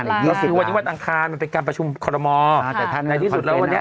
คือวันนี้เป็นการประชุมคอรมมอในที่สุดแล้ววันนี้